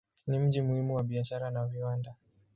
Ni mji muhimu wa biashara na viwanda.